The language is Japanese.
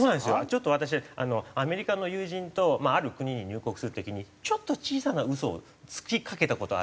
ちょっと私アメリカの友人とある国に入国する時にちょっと小さな嘘をつきかけた事あるんです。